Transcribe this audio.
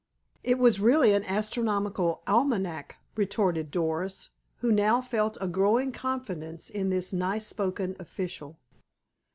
"It was really an astronomical almanac," retorted Doris, who now felt a growing confidence in this nice spoken official.